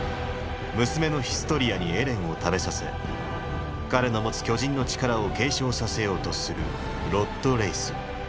娘のヒストリアにエレンを食べさせ彼の持つ巨人の力を継承させようとするロッド・レイス。